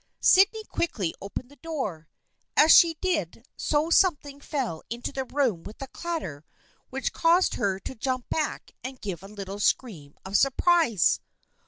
Sydney quickly opened the door. As she did so something fell into the room with a clatter which caused her to jump back and give a little scream of surprise.